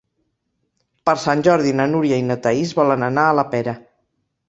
Per Sant Jordi na Núria i na Thaís volen anar a la Pera.